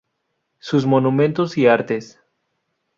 Sus monumentos y artes".